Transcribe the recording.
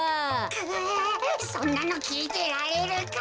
そんなのきいてられるか。